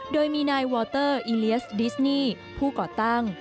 โดยมีนายวอเตอร์อิเลียสดิสนี่ผู้ก่อตั้ง